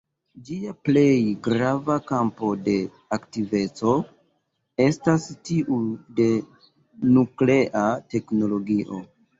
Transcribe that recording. Ĝia plej grava kampo de aktiveco estas tiu de nuklea teknologio.